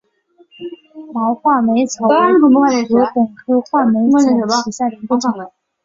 毛画眉草为禾本科画眉草属下的一个种。